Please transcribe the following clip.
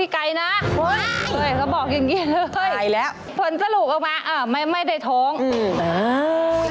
เขาบอกอย่างนี้เลยเพลินสลุกออกมาไม่ได้ท้องอืม